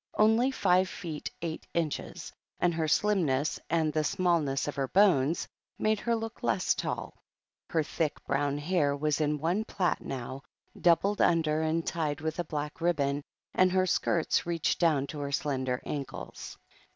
Only five feet eight inches, and her slimness, and the smallness of her bones, made her look less tall. Her thick, brown hair w^ in one plait now, doubled under and tied with a black ribbon, and her skirts reached down to her slender ankles.